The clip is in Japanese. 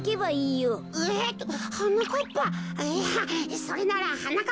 いやそれならはな